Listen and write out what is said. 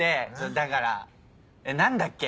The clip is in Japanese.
だから何だっけ？